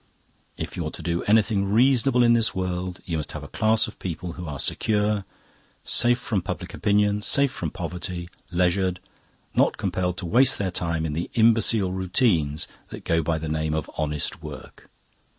If you're to do anything reasonable in this world, you must have a class of people who are secure, safe from public opinion, safe from poverty, leisured, not compelled to waste their time in the imbecile routines that go by the name of Honest Work.